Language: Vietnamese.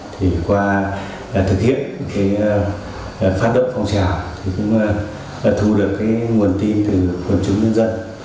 thì qua thực hiện phát động phòng trào thì cũng thu được nguồn tin từ quần chúng nhân dân